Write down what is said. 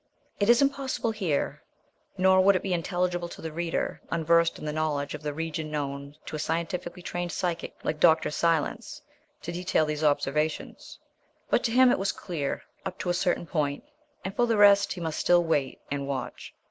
It is impossible here, nor would it be intelligible to the reader unversed in the knowledge of the region known to a scientifically trained psychic like Dr. Silence, to detail these observations. But to him it was clear, up to a certain point and for the rest he must still wait and watch.